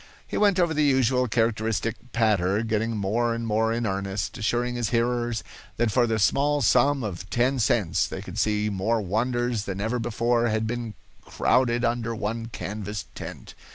He went over the usual characteristic "patter," getting more and more in earnest, assuring his hearers that for the small sum of ten cents they could see more wonders than ever before had been crowded under one canvas tent.